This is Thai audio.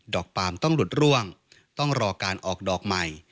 ปาล์มต้องหลุดร่วงต้องรอการออกดอกใหม่